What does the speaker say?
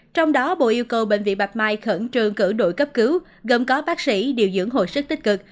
trong đó bộ yêu cầu bệnh viện bạch mai khẩn trương cử đội cấp cứu gồm có bác sĩ điều dưỡng hồi sức tích cực